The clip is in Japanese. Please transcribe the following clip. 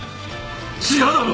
違うだろ！